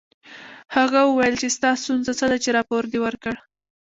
هغه وویل چې ستا ستونزه څه ده چې راپور دې ورکړ